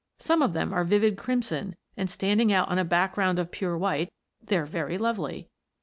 Some of them are vivid crimson and, standing out on a background of pure white, they're very lovely.